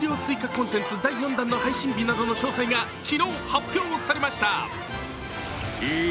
コンテンツ第４弾の配信日などの詳細が昨日、発表されました。